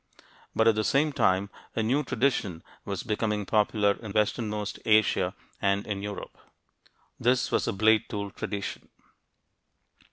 But at the same time, a new tradition was becoming popular in westernmost Asia and in Europe. This was the blade tool tradition.